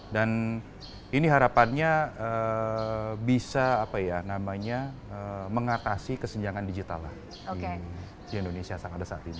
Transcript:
dan ini harapannya bisa apa ya namanya mengatasi kesenjangan digital lah di indonesia saat ini